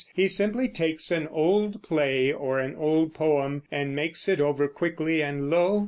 He simply takes an old play or an old poem, makes it over quickly, and lo!